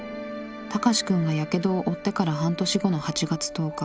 高志くんがやけどを負ってから半年後の８月１０日。